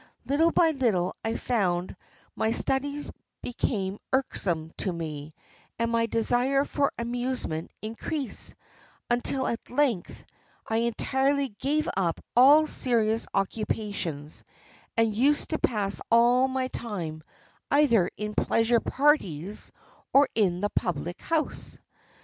Little by little I found my studies become irksome to me, and my desire for amusement increase, until at length I entirely gave up all serious occupations, and used to pass all my time either in pleasure parties or in the public house.